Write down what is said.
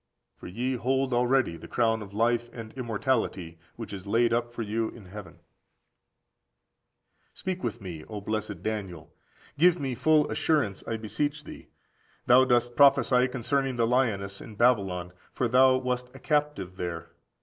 For ye hold already the crown of life and immortality which is laid up for you in heaven.14651465 2 Tim. iv. 8. 32. Speak with me, O blessed Daniel. Give me full assurance, I beseech thee. Thou dost prophesy concerning the lioness in Babylon;14661466 Dan. vii. 4. for thou wast a captive there.